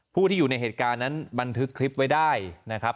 ผู้ที่อยู่ในเหตุการณ์นั้นบันทึกคลิปไว้ได้นะครับ